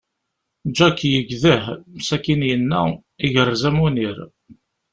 Jack yegdeh, sakin yenna: Igerrez a Munir.